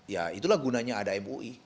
ya itulah gunanya ada mui